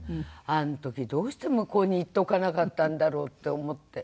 あの時どうして向こうに行っておかなかったんだろうって思って。